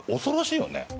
恐ろしいよね。